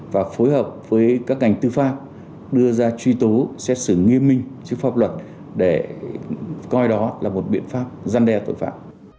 và phối hợp với các ngành tư pháp đưa ra truy tố xét xử nghiêm minh trước pháp luật để coi đó là một biện pháp gian đe tội phạm